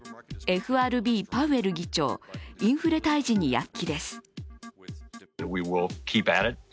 ＦＲＢ、パウエル議長、インフレ退治に躍起です。